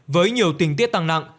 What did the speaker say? với nhiều tình tiết tăng nặng